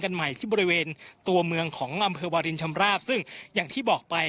ใหม่ที่บริเวณตัวเมืองของอำเภอวารินชำราบซึ่งอย่างที่บอกไป